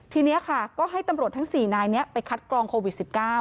ทีนี้ค่ะก็ให้ตำรวจทั้ง๔นายนี้ไปคัดกรองโควิด๑๙